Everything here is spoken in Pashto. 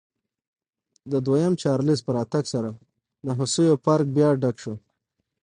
د دویم چارلېز په راتګ سره د هوسیو پارک بیا ډک شو.